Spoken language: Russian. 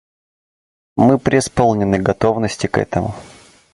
Мы преисполнены готовности к этому.